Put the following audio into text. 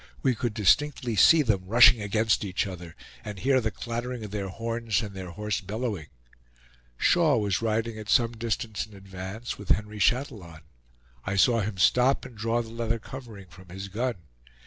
We could distinctly see them rushing against each other, and hear the clattering of their horns and their hoarse bellowing. Shaw was riding at some distance in advance, with Henry Chatillon; I saw him stop and draw the leather covering from his gun.